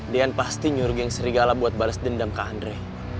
dean pasti nyuruh gang serigala buat balas dendam ke andre